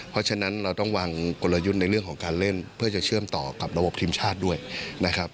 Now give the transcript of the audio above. เพราะฉะนั้นเราต้องวางกลยุทธ์ในเรื่องของการเล่นเพื่อจะเชื่อมต่อกับระบบทีมชาติด้วยนะครับ